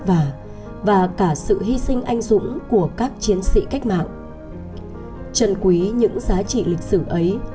và cả sự hy sinh anh dũng của các chiến sĩ cách mạng chân quý những giá trị lịch sử ấy